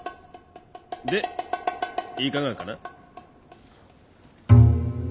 でいかがかな？